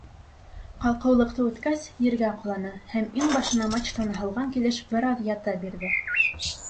Ҡалҡыулыҡты үткәс, ергә ҡоланы һәм иңбашына мачтаны һалған килеш бер аҙ ята бирҙе.